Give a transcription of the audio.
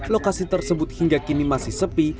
lokasi tersebut hingga kini masih sepi